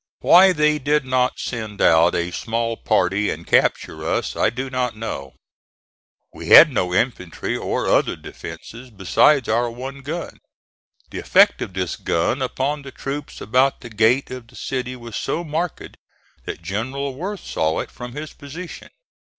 Why they did not send out a small party and capture us, I do not know. We had no infantry or other defences besides our one gun. The effect of this gun upon the troops about the gate of the city was so marked that General Worth saw it from his position.